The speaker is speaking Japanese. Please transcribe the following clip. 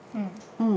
うん。